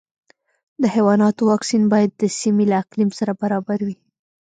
د حیواناتو واکسین باید د سیمې له اقلیم سره برابر وي.